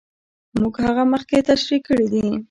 موږ هغه مخکې تشرېح کړې دي.